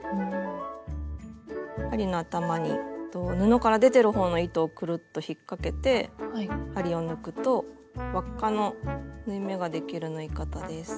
針の頭に布から出てるほうの糸をくるっと引っ掛けて針を抜くと輪っかの縫い目ができる縫い方です。